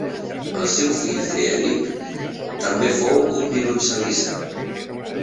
El seu fill Friedrich també fou un violoncel·lista.